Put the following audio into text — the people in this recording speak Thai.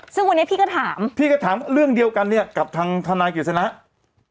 ซึ่งวันนี้พี่ก็ถามพี่ก็ถามเรื่องเดียวกันเนี่ยกับทางทนายกฤษณะ